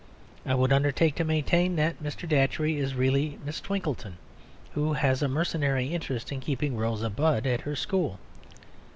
I would undertake to maintain that Mr. Datchery is really Miss Twinkleton, who has a mercenary interest in keeping Rosa Budd at her school.